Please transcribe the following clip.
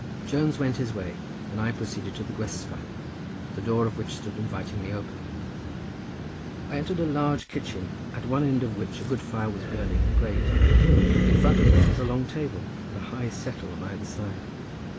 Jones went his way and I proceeded to the gwestfa, the door of which stood invitingly open. I entered a large kitchen, at one end of which a good fire was burning in a grate, in front of which was a long table, and a high settle on either side.